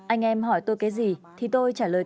anh em hỏi tôi cái gì thì tôi trả lời